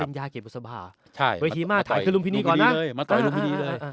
ปริญญาเกียจบุษบาใช่เวทีมาถ่ายขึ้นรุมพิธีก่อนนะมาต่อยรุมพิธีเลยอ่าอ่า